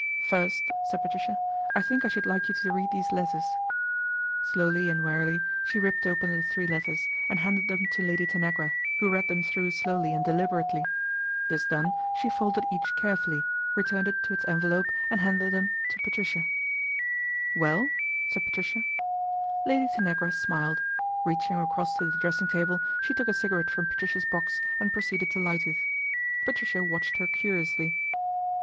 " First," said Patricia, " I think I should like you to read these letters." Slowly and wearily she ripped open the three letters and handed them to Lady Tanagra, who read them through slowly and deliberately. This done, she folded each care A BOMBSHELL 173 fully, returned it to its envelope and handed them to Patricia. " Well !" said Patricia. Lady Tanagra smiled. Reaching across to the dressing table she took a cigarette from Patricia's box and proceeded to light it. Patricia watched her curiously.